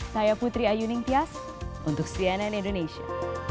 saya putri ayuning tias untuk cnn indonesia